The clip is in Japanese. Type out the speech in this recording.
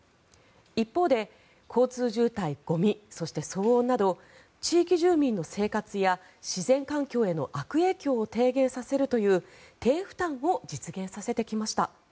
一方で交通渋滞、ゴミ、そして騒音など地域住民の生活や自然環境への悪影響を低減させるという低負担を実現させてきました。